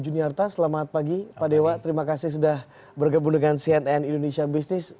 mbak mbak mbak mbak selamat pagi pak dewa terima kasih sudah bergabung dengan cnn indonesia business